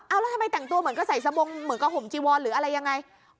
เอาแล้วทำไมแต่งตัวเหมือนก็ใส่สบงเหมือนกับห่มจีวอนหรืออะไรยังไง